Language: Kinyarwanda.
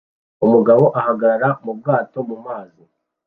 Umugabo ahagarara mu bwato mu mazi